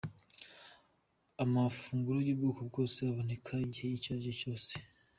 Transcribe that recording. Amafunguro y'ubwoko bwose aboneka igihe icyo ari cyo cyose.